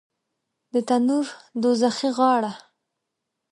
د تنور دوږخي غاړه